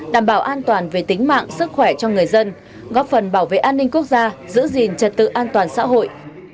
đảm bảo an toàn về tính mạng sức khỏe cho người dân góp phần bảo vệ an ninh quốc gia giữ gìn trật tự an toàn xã hội